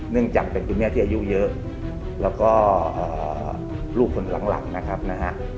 เนื่องจากเป็นคุณแม่ที่อายุเยอะแล้วก็ลูกคนหลังนะครับนะฮะ